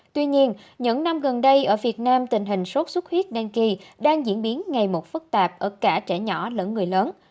tuy nhiên những năm gần đây ở việt nam tình hình sốt xuất huyết đan kỳ đang diễn biến ngày một phức tạp ở cả trẻ nhỏ lẫn người lớn